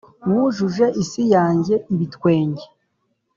wujuje isi yanjye ibitwenge,